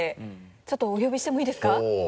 ちょっとお呼びしてもいいですかほぉ。